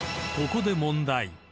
［ここで問題］